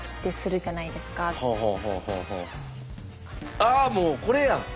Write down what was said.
ああもうこれやん。